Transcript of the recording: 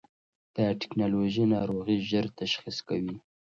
دا ټېکنالوژي ناروغي ژر تشخیص کوي.